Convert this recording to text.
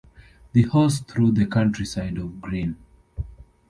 The horse through the countryside of green.